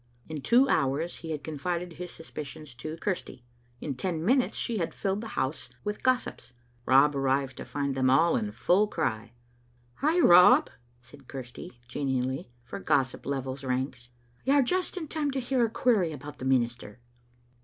In two hours he had confided his suspicions to Chirsty. In ten minutes she had filled the house with gossips. Rob arrived to find them in full cry. "Ay, Rob," said Chirsty, genially, for gossip levels ranks, " you're just in time to hear a query about the minister.